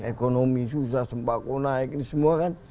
ekonomi susah sempat kena naik ini semua kan